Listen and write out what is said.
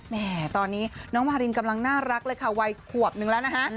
แม่ตอนนี้น้องมารินกำลังน่ารักเลยค่ะวัยขวบนึงแล้วนะคะ